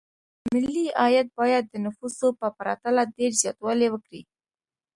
ملي عاید باید د نفوسو په پرتله ډېر زیاتوالی وکړي.